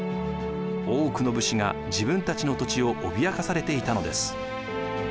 多くの武士が自分たちの土地を脅かされていたのです。